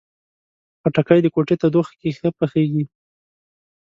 خټکی د کوټې تودوخې کې ښه پخیږي.